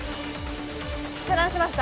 遮断しました